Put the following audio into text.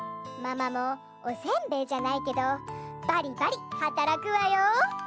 ママもおせんべいじゃないけどバリバリはたらくわよ！